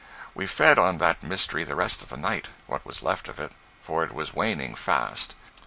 We fed on that mystery the rest of the night—what was left of it, for it was waning fast.